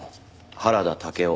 原田武雄